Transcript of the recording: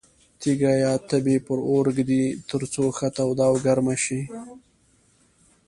تیږه یا تبۍ پر اور ږدي ترڅو ښه توده او ګرمه شي.